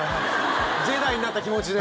ジェダイになった気持ちで？